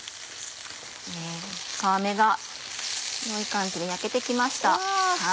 皮目が良い感じに焼けて来ました。